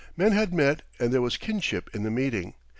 Men had met and there was kinship in the meeting.